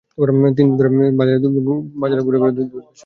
তিন দিন ধরে তিনি বাজারে ঘুরে ঘুরে দুধ বিক্রির চেষ্টা করছেন।